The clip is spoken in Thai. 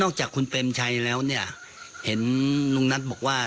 นอกจากคุณเปรมชัยแล้วยังเห็นนุ่งนัฐบอกว่า